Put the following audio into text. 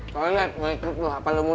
soalnya gue ikut tuh apa lo mau ikut